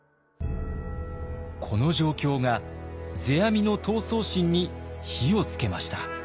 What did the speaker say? この状況が世阿弥の闘争心に火をつけました。